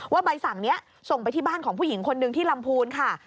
ใบสั่งนี้ส่งไปที่บ้านของผู้หญิงคนหนึ่งที่ลำพูนค่ะ